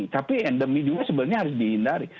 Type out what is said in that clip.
tapi endemi juga sebenarnya harus dihindari